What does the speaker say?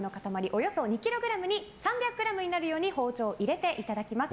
およそ２ｋｇに３００ｇになるように包丁を入れていただきます。